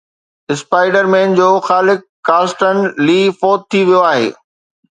spider man جو خالق Carsten لي فوت ٿي ويو آهي